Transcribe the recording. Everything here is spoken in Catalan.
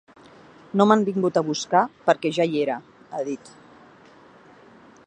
“No m’han vingut a buscar, perquè ja hi era”, ha dit.